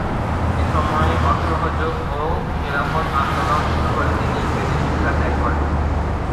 এসময় অসহযোগ ও খিলাফত আন্দোলন শুরু হলে তিনি ইংরেজি শিক্ষা ত্যাগ করেন।